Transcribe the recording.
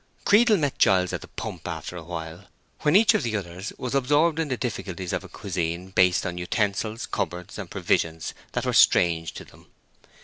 Creedle met Giles at the pump after a while, when each of the others was absorbed in the difficulties of a cuisine based on utensils, cupboards, and provisions that were strange to them.